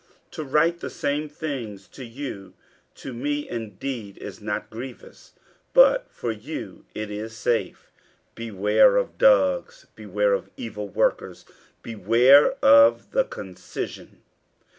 To write the same things to you, to me indeed is not grievous, but for you it is safe. 50:003:002 Beware of dogs, beware of evil workers, beware of the concision.